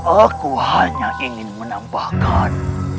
aku hanya ingin menambahkan